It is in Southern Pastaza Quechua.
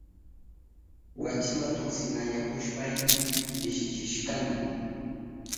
Wachiwa tuksinayahushpayni pishichishkani.